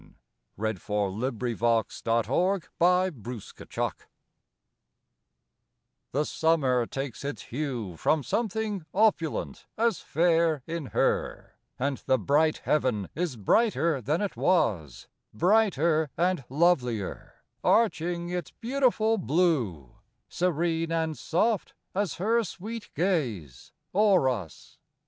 What of it then, say I! yea, what of it then! WOMANHOOD I The summer takes its hue From something opulent as fair in her, And the bright heav'n is brighter than it was; Brighter and lovelier, Arching its beautiful blue, Serene and soft, as her sweet gaze, o'er us.